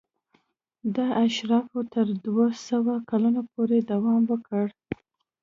دا اشرافو تر دوه سوه کلونو پورې دوام ورکاوه.